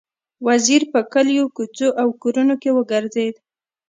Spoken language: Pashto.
وزیر په کلیو، کوڅو او کورونو کې وګرځېد.